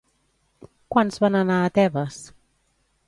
Quants van anar a Tebes?